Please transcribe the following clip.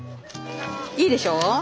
いいでしょ。